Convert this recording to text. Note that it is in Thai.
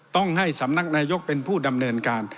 ต้องให้สำนักนายกเป็นผู้ดำเนินการ